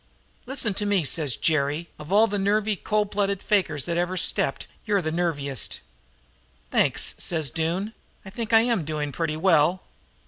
"'Listen to me,' says Jerry, 'of all the nervy, cold blooded fakers that ever stepped you're the nerviest.' "'Thanks,' says Doone. 'I think I am doing pretty well.'